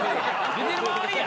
出てる場合や。